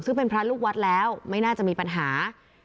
ซึ่งเป็นพระลูกวัดแล้วไม่น่าจะมีปัญหา